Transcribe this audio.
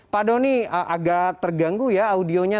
pak doni agak terganggu ya audionya